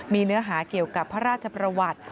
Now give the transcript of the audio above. มีเนื้อหาเกี่ยวกับพระราชประวัติ